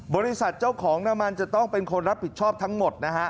บริษัทเจ้าของน้ำมันจะต้องเป็นคนรับผิดชอบทั้งหมดนะฮะ